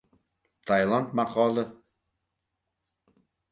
Tayland maqoli